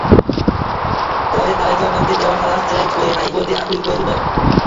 পরে তারেক রহমানকে দেওয়া খালাস চ্যালেঞ্জ করে হাইকোর্টে আপিল করে দুদক।